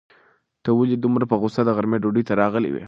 ته ولې دومره په غوسه د غرمې ډوډۍ ته راغلی وې؟